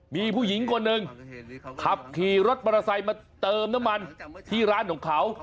มีผู้หญิงคนหนึ่งขับขี่รถมอเตอร์ไซค์มาเติมน้ำมันที่ร้านของเขา